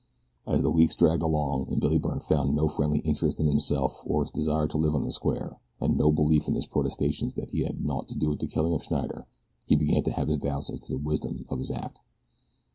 As the weeks dragged along, and Billy Byrne found no friendly interest in himself or his desire to live on the square, and no belief in his protestations that he had had naught to do with the killing of Schneider he began to have his doubts as to the wisdom of his act.